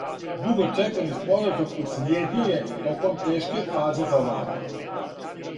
Дуго чекани споразум услиједио је током тешке фазе за владу.